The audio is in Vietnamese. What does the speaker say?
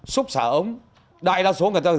xúc xả ống đại đa số người ta